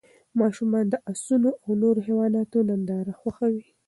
ماشومان د اسونو او نورو حیواناتو ننداره خوښوي.